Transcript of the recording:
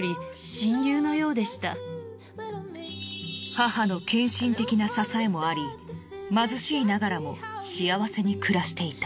母の献身的な支えもあり貧しいながらも幸せに暮らしていた。